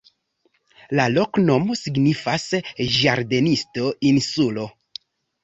La loknomo signifas: ĝardenisto-insulo.